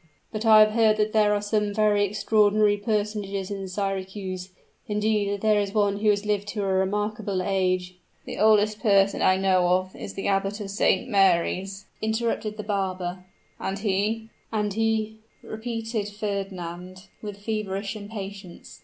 "But I have heard that there are some very extraordinary personages in Syracuse; indeed, there is one who has lived to a remarkable age " "The oldest person I know of, is the Abbot of St. Mary's," interrupted the barber, "and he " "And he " repeated Wagner, with feverish impatience.